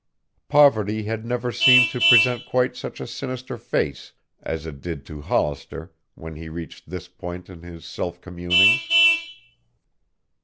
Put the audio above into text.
Poverty had never seemed to present quite such a sinister face as it did to Hollister when he reached this point in his self communings.